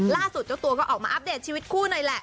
เจ้าตัวก็ออกมาอัปเดตชีวิตคู่หน่อยแหละ